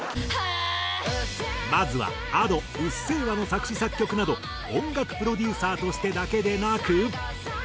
まずはＡｄｏ『うっせぇわ』の作詞作曲など音楽プロデューサーとしてだけでなく。